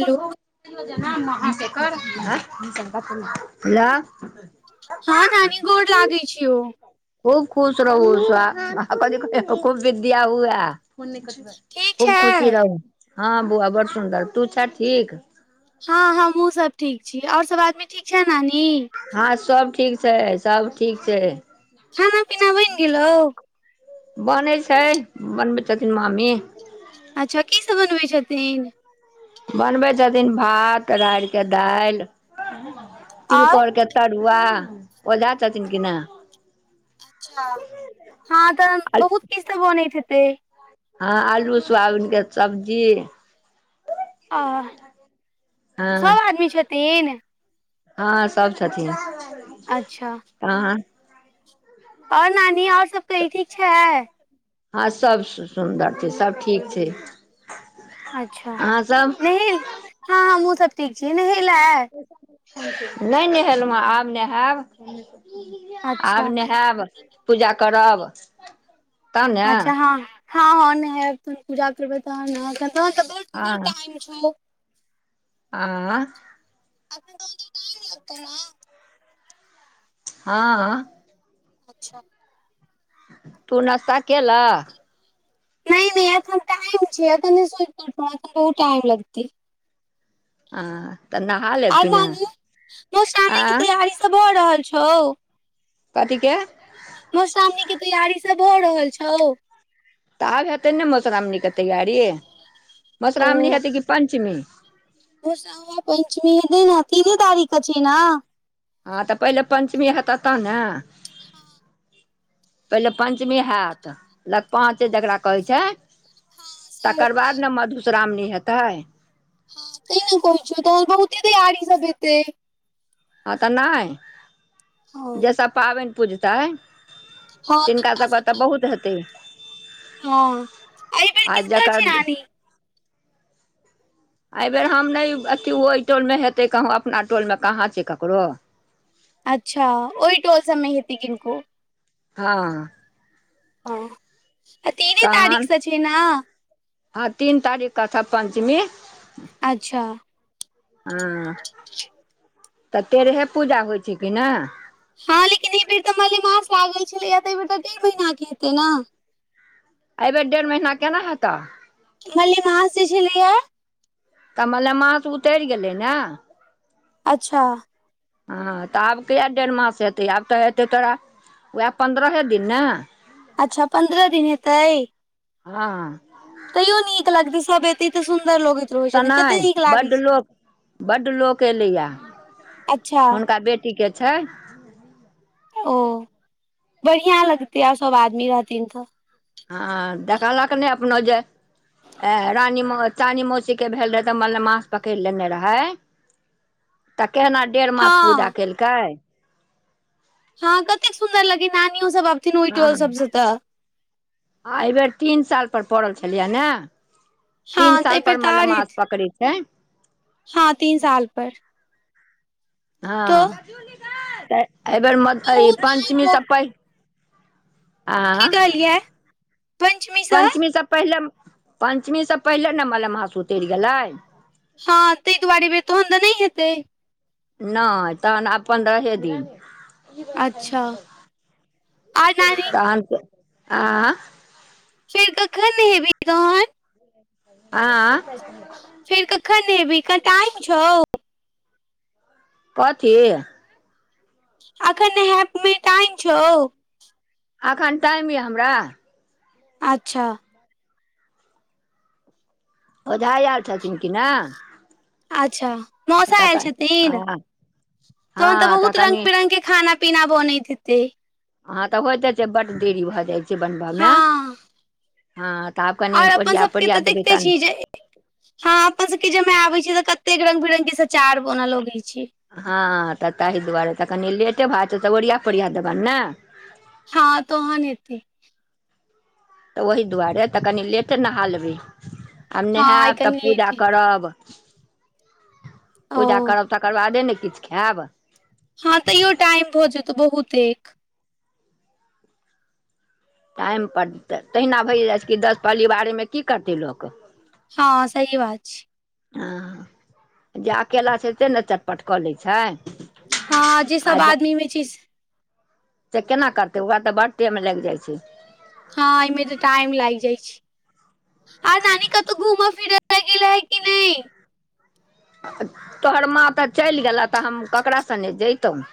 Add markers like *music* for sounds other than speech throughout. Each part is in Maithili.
हेलो *unintelligible* हँ नानी गोर लागै छियो खूब खुश रहू सु की क खूब विद्या हु य ठीक छै खूब खुशी रहू हँ बुआ बड़ सुन्दर तू छै ठीक हँ हमहहुँसभ ठीक छी आओर सभ आदमी ठीक छ नानी हँ सब ठीक छै सब ठीक छै खाना पीना बनि गेल बनै छै बनबै छथिन मामी अच्छा की सब बनबै छथिन बनबै छथिन भात रारिके दालि आओर तिलकोर के तरुआ ओझा छथिन कना अच्छा हँ तऽ बहुत किछु तऽ बनैत हेतै हँ आलू सुआबीन के सब्जी आ सब आदमी छथिन हा सब छथिन अच्छा आहा और नानी और सब कही ठीक छै हँ सब स सुन्दर छै सब ठीक छै अच्छा अहाँसभ नहे हँ हमहुँ सब ठीक छी नहेला नई नेहेलौ है आब नेहैब अच्छा आब नेहैब पूजा करब तब ने अच्छा हँ ह नेहैब पुजा करब तहन छौ आ अप दो द ह आ अच्छा तू नश्ता केलक नहि नहि अखन टाइम छै अ तऽ नहि सुतन बहु टाइम लगत हँ तऽ नहा लेब आी कि ने मशी के आँय तैयारी त भऽ रहल छौ कथित के मधुश्रावणी के तैयारी सब भ रहल छौ तऽ आब हेतै ने मधुश्रावणी के तैयारी मधुश्रावणी हेतै कि पञ्चमी सामा पञ्चमी हैताई ने तीन तारीख के छै ने हँ तऽ पहिले पञ्चमी हेतह तह ने पहिले पञ्चमी हैत लग पाँच जकरा कहै छै से तकर हेतै बाद ने मधुश्रावणी हैताई त ने कहै छियौ तोहार बहुत ते तैयारी सब हैताई हँ तऽ नई हँ जैसब पाबनि पुजतै हँ तिनका सब क तऽ सबके बहुत हेतै हँ अइ बेर आ किनकर जकर छैई रानी एहिबेर हम नई अथी ओहि टोलमे हेतै कहूँ अपना टोलमे कहाँ छै ककरो अच्छा ओइ टोल सबमे हेतै किनको हा हा तीने तहन तारीखसँ छै ने हँ तीन तारीख का छ पञ्चमी अच्छा हु तऽ तेरहे पूजा होइ छई की ने हँ लेकिन एहिबेर तऽ मलेमास लागल छलैएा तऽ एहि बेर तऽ डेढ़ महिना के हेतै ने एहिबेर डेढ़ महीना केना हेतै मलेमास जे छलैय तऽ मलेमास उतरि गेलै ने अच्छा हँ तऽ आब किया डेढ़ मास हेतै आब तऽ हेतै तोरा उएह पन्द्रहे दिन ने अच्छा पन्द्रह दिन हेतै हँ तैयो नीक लगतै सब एतै सुन्दर लगाई तऽ नई बड लोक बड लोक एलैया छै अच्छा हुनका बेटी ठीके छै ओ बढ़िया लगते आब सब आदमी रहथिन तऽ हँ देखलक नई अपनो जे ए रानी चानी मौसीके भेल रहै तऽ मलेमास पकड़ लेने रहे तऽ केना डेढ़ मास पूजा हँ केलकै हँ कतेक सुंन्दर लगे नानियो सब आब हँ आ एहि बेेर तीन साल पर पड़ल छलियै ने हँ तीन तऽ साल एहिबेर पर तऽ मले आर मास हेतै पकड़ै छै हँ तीन साल पर तऽ हँ तऽ एहि बेेर म बहुत पञ्चमी टाइम हो। सब पइ की आँ कहलियै पंचमी सँ पञ्चमी त पहिले पञ्चमीसँ पहिले ने मलेमास उतैर गेलै हँ तहि दुआरे भ तोहन तऽ नहि हेतै नै तहन पन्द्रहे दिन अच्छा आर नानी त आ फेर कखन हेबी तहन *unintelligible* आ फेर कखन एबी क टाइम छौ कथी अखन हैपमे टाइम छौ अखन टाइम यऽ हमरा अच्छा ओझा आयल छथिन कि नहि अच्छा मौसा आयल छथिन हँ तहन तऽ हँ बहुत रंग कनि बिरंग के खाना पीना बनैत दै अहाँ तऽ होयइते छै बड्ड देरी भऽ जाइ छै बनबयमे हँ हँ तऽ आब कनि और अपन ओरिया सबके तऽ पोरिया देबै देखते तब ने छी जे हँ अपन सबके जमे आबे छी तऽ कते रंग बिरंग के सचार बनल लगैत छी हँ तऽ तहि दुआरे तऽ कनि लेटे भए जेतै तऽ ओरिया पोरिया देबन ने हँ तोह नेते तऽ ओहि दुआरे तऽ कनि लेट नहा लेबै आब हँ आइ नहायब तऽ कनि पूजा लेट हे। करब पूजा ओ करब तकर बादे ने किछ खायब हँ तैयो टाइम भऽ जेतौ बहुत एक टाइमपर तऽ तहिना भए जाइ छै कि दस पलिवारेमे की करतै लोक हँ सही बात छै हँ जे अकेला छै सेे ने चटपट कऽ लै छै हँ जे सब आदमी मे चीज से केना करतै ओकरा तऽ बड टेम लाग जाइ छै हँ एहिमे तऽ टाइम लाग जाइ छै आ नानी कतो घुमे फिरा ल गेलल है की नहि तोहर मा तऽ चलि गेलह तऽ हम ककरास सङ्ग जैतहुँ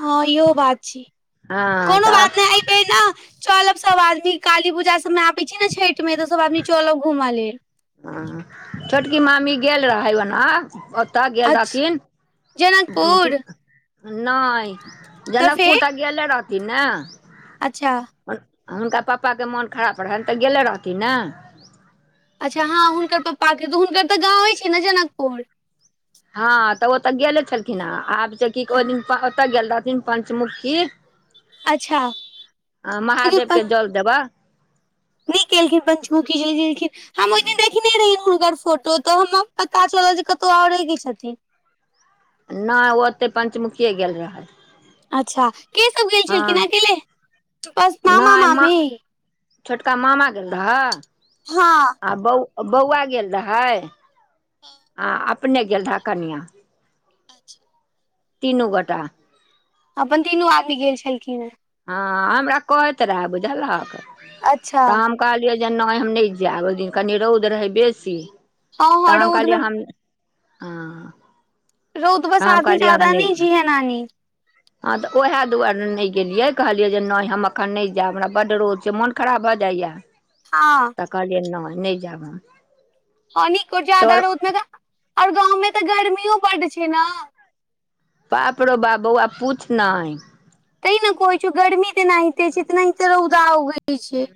हँ इहो बात छी हँ कोनो तऽ बात नहि आ फे ने चलब सब आदमी काली पूजा सब मे आबे छै ने छठि मे तऽ सब आदमी चलब घूमऽ लेल ह छोटकी मामी गेल रहै ओना ओतऽ गेल अच्छा रहथिन की जनकपुर नहि जनकपुर तऽ गेले रहथिन ने अच्छा हुनका पापाके मोन खराब रहनि तऽ गेले रहथिन ने अच्छा हँ हुनकर पप्पाके तऽ हुनकर तऽ गाँवे छै ने जनकपुर हँ तऽ ओ तऽ गेले छलखिन हे आब जे की ओहिन तऽ गेल रहथिन पं्चमुखी अच्छा महादेव के जल दबा नहि केलखिन पञ्चमूखी जल गेलेलखिन हम ओहि दिन देखने रहहि हुनकर फोटो तऽ हमरा पता चलल जे कतौ आओरे की छथिन नहि ओतेक पञ्चमुखिये गेल रहै अच्छा के सब गेल छलखिन हँ अकेले बस मामा नहि माँ मामी छोटका मामा गेल रहऽ हँ आ बौ बौआ गेल रहै ह अपने गलठ करनिया तीनू गोटा अपन तीनू आदमी गेल छलखिन हेँ हँ हमरा कहैत रहे बुझलक अच्छा तऽ हम कहलियै जे नहि हम नहि जायब ओहिदिन कनि रौद रहै बेसी हँ हँ तऽ हम रौद कहलियै मे हम हँ रौउद तऽ हम बसात मे कहलियै हम जाददा नहि जय जायब हैंया नानी हँ तऽ ओएह दुआरे नहि गेलियै कहलियै जे नहि हम एखन नहि जायब हमरा बड्ड रोद छै मोन खराब भऽ जाइए *unintelligible* हँ त कहलियै न नहि जाब हम हानिकूट जादा तोहर रौतमे तऽ आओर गाँवमे तऽ गर्मीो बड्ड छै ने बाप रौ बाप बौआ पूछ नहि तेंने कहै छियोउ गर्मी तेनाहिते छै इनाते रौदा उगै छै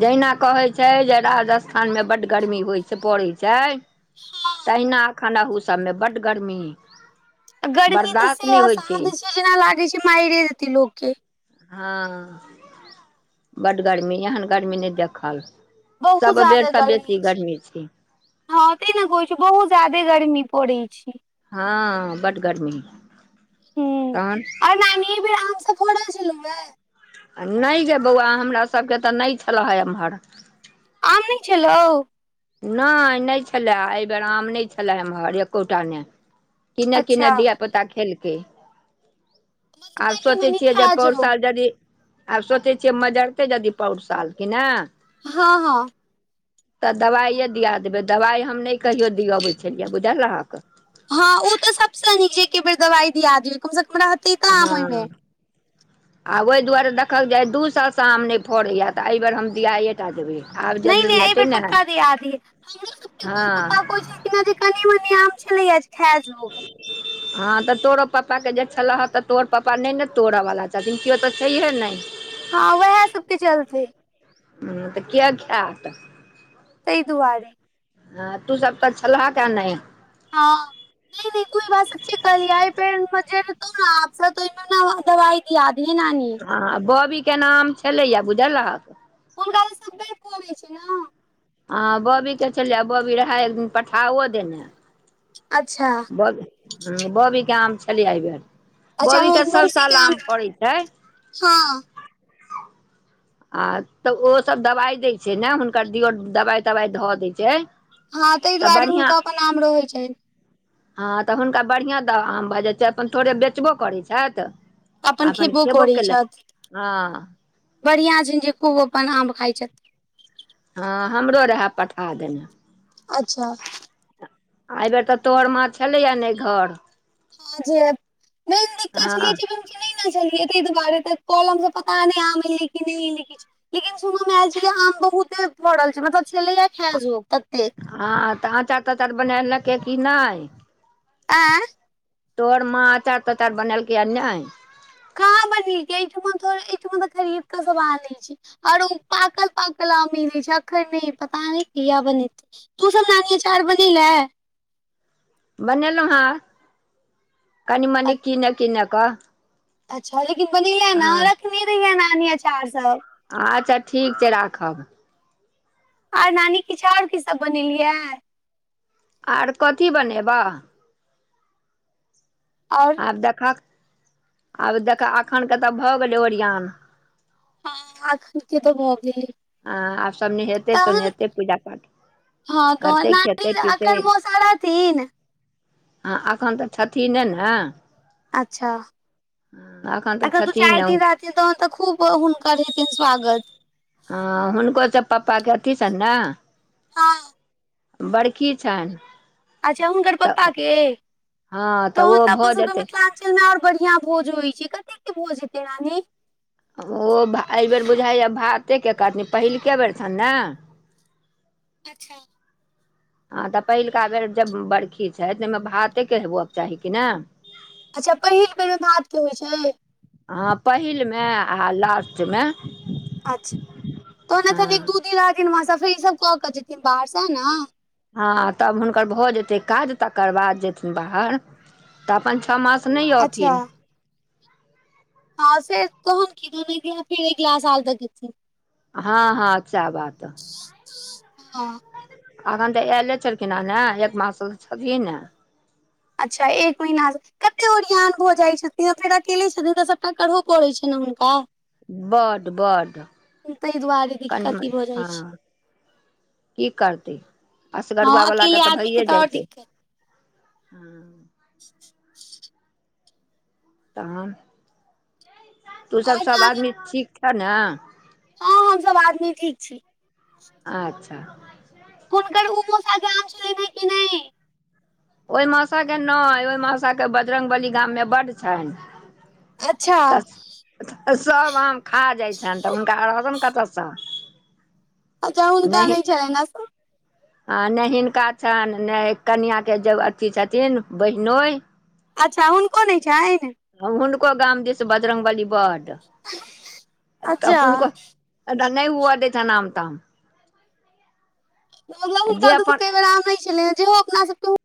जहिना कहैत छै जे राजस्थानमे बड्ड गरमी होइत छै पड़ैय छै तहिना एखन अहू सभमे बड गर्मी आ गर्मी तऽ बर्दाश्त से नहि होइ असाध्य छै जेना लागै छै मइरे देतै लोकके हँ बड गर्मी एहन गर्मी नहि देखल सब बेर सँ बेसी गर्मी छै हँ त ने कहै छ बहुत जादे गर्मी पड़ै छै हँ बड्ड गर्मी हुँ तहन आँय नानी एहि बेर आामसँ फोड़ल छलहुँ गे आ नहि गे बौआ हमरासभके तऽ नहि छलै ह एम्हर आम नहि छलौ नहि नहि छलय एहि बेेर आम नहि छलए एम्हर एकोटा ने किन्ने किने अच्छा धिय पुता खेलकै मतलब आब कनि सोचै मनि छियै जे खा जो पौर साल यदि आब सोचै छियै मजरतै यदि पौर साल कि ने हँ हँ तऽ दबाइए दियाआ देबै दवाइ हम नहि कहियो दि अबै छलियै बुझल अहाँकेँ हँ ओ त सबसँ न छै एके बेर दवाई दिया दियौ कम से कम रहत हँ आ ओहि दुआरे देखहक आय दू साल से आम नहि फड़ेया त एहि बेर हम दिआये टा देबै आ नहि नहि आइ बेर पक्का दिया दिहिन हमोरो सब कें हँ पप्पा कहै छै ऐ ना त कनि मनी आम छलै खै जोग हँ तऽ तोरो पप्पाके जे छलऽह तऽ तोर पप्पा नहि ने तोड़ऽवला छथिन केओ तऽ छैहे नहि हँ उएह सबके चलते हुँ तऽ किया खात ताहि दुआरे हँ तू सब तऽ छलहे क नहि हां नहि नहि को ई बात सचे कहलिह आइ फेर हमरा जाय देतो न दवाई दिआह दिहिन नानी हँ बबी के नाम छलैया बुझलक हुनका तऽ सब बेर फरै छै ने हँ बोबीे के छलियै बौबी रहै एकदिन पठाओ देने अच्छा ब बी बबीके आम छलियै एहि बेर अच्छा बबीके सब मौसी साल के आम फरै छै हँ आ तऽ ओसभ दवाइ दै छै ने हुनकर दियर दवाइ तवाइ धऽ दै छै हँ ताहि तऽ दुआरे बढ़िआँ हुनका अपन नाम रहैत छनि हँ तऽ हुनका बढ़िआँ द आम बऽ जाइ छै अपन थोड़े बेचबो करैत छथि अपन खबो केलक हँ बढ़िआँ छनि जे खूब अपन आम खाइत छथि हँ हमरो रहए पठा देने अच्छा एहि बेेर तऽ तोहर मा छलैए ने घर हँ ज मेन दिक्कत छलैय हँ जे ने छलियै ताहि दुआरे त कॉलम मे पता नहि आम एलै कि नहि एलै किछु लेकिन सुनमे आयल छी आम बहुते पड़ल छै मतलब छलेलै या खाय जोग ततेक हँ तऽ अचार तचार बना लेलकै कि नहि आँ तोहर मा अचार तचार बनेलकै या नहि कहाँ बनि गे अहि ठाम अहि ठाम त खरीद क सब आनइ छै आओर ओ पाकल पाकल आम मिलै छै अखन नहि पता नहि कहिया बनेतय तुं सब नानीे अचार बनैले बनेलहुँ हेँ कनि मनि कीनऽ कीने क अच्छा लेकिन बनेले न रखने रहिय नानी अचार सब अच्छा ठीक छै राखब आर नानी किछ आउर की सब बनेलियै आर कथी बनेबह आओर आब देख आब देख अखन के तऽ भऽ गेलै ओरियान हँ अखन के तऽ भऽ गेलै हँ आब सब नहेते तहन सोनेते पूजा पाठ हँ तऽ करतै ना नी खेतै पीतै अखन मोसा रथिन हँ एखन तऽ छथिन ने ने अच्छा एखन तऽ अखन तू छथिन चार दीन रह न तहन तऽ खूब हुनकर हेतैन स्वागत हँ हुनको त पापा के अथी छनि ने हँ बड़खी छनि अच्छा हुनकर पप्पा तऽ के हँ तहन ओ तऽ अपन भऽ सबके जेतै मिथिला चल मे आओर बढ़ियां भोज होइ छै कते के भोज हेतै नानी ओ भा एहिबेर बुझाइए भातेके कहथिन पहिलके बेर छनि ने अच्छा हँ तऽ पहिलुका बेर जब बरखी छै तऽहिमे भातेके हेबयके चाही कि ने अच्छा पहिल बेर मे भात के होइ छै हँ पहिल मे आ लास्ट मे अच्छा तहन एखन एक हँ दू दिन रहथिन मौसा फेर ई सब कऽ केऽ जेथिन बाहर सँ ने हँ तब हुनकर भऽ जेतै काज तकर बाद जेथिन बाहर तऽ अपन छओ मास नहि अच्छा अथिन हँ फेर तहन की तहन अगिला फेरे अगिल साल तक एथिन हँ हँ सैह बात हँ एखन तऽ एयले छलखिन हँ ने एक मास स छथिने अच्छा एक महिना कते ओरियान भऽ जाइत छथिन आ फेर अकेले छथिन तऽ सभटा करो पड़ैत छै ने हुनका बड बड ताहि दुआरे कनी दिक्कत ई मनि भऽ जाइ छै हँ की करतै असगरुआ हँ बला अकेले के तऽ आदमी भइए आओर जाइ छै दिक्कत हुँ *unintelligible* तहन तु सब आओर सब नानी आदमी ठीक छऽ न हँ हमसभ आदमी ठीक छी अच्छा हुनकर उ मौसा गाम सँ एलै कि नहि ओहि मासाके नहि ओहि मासाे बजरंग बली गाममे बड्ड छनि अच्छा तऽ सभ आम खा जाय छनि तऽ हुनका रहतनि कतयसँ अच्छा हुनका नहि छलनि ने आ नहि हिनका छनि नै कनिआँके जे अथि छथिन बहिनोय अच्छा हुनको नै छनि हुनको गाम दीस बजरङंग बली बड तऽ अच्छा हुनको अबरि दैब नहि हुए दै छनि आम ताम जे हुनका दुन अपन क बेर आम नहि छलै जेहो अपना सबके